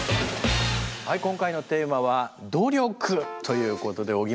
はい今回のテーマは「努力」ということで。